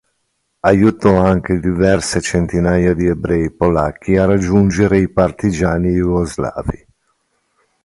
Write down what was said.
Aiutò anche diverse centinaia di ebrei polacchi a raggiungere i partigiani jugoslavi.